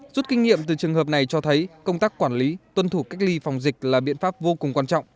rút kinh nghiệm từ trường hợp này cho thấy công tác quản lý tuân thủ cách ly phòng dịch là biện pháp vô cùng quan trọng